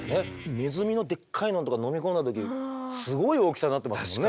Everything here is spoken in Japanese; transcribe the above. ネズミのでっかいのとか飲み込んだ時すごい大きさになってますもんね。